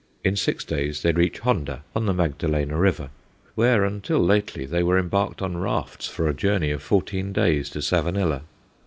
In six days they reach Honda, on the Magdalena River, where, until lately, they were embarked on rafts for a voyage of fourteen days to Savanilla.